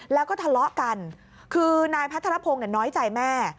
แล้วก็ทะเลาะกันคือนายพัทรพงศ์น้อยใจแม่